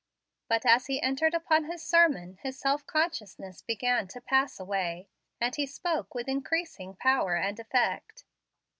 But as he entered upon his sermon his self consciousness began to pass away, and he spoke with increasing power and effect.